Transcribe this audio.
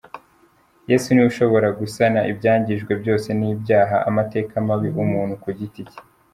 Yesu niwe ushobora gusana ibyangijwe byose n’Ibyaha, amateka mabi, umuntu ku giti ke.